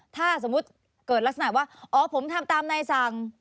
ถ้าสมมุติเกิดลักษณะว่าอ๋อผมทำตามนายสั่ง